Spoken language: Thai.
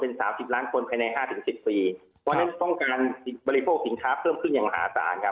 ภายใน๕๑๐ปีตรงนั้นต้องเงินบริโภคสิงค์ท้าเพิ่มขึ้นอย่างหาตรายครับ